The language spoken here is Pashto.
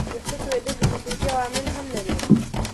ویښتو توېیدل جنیټیکي عوامل هم لري.